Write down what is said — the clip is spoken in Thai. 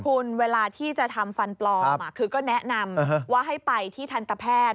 คุณเวลาที่จะทำฟันปลอมคือก็แนะนำว่าให้ไปที่ทันตแพทย์